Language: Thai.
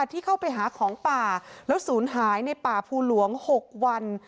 ที่เข้าไปหาของป่าแล้วศูนย์หายในป่าภูหลวง๖วัน